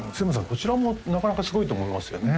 こちらもなかなかすごいと思いますよね